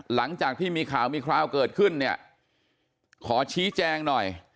หลังจากที่มีข่าวเกิดขึ้นขอชี้แจงหน่อย